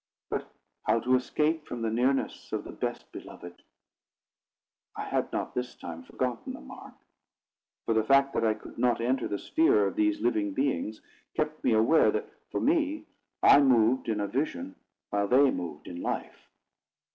But how to escape from the nearness of the best beloved? I had not this time forgotten the mark; for the fact that I could not enter the sphere of these living beings kept me aware that, for me, I moved in a vision, while they moved in life.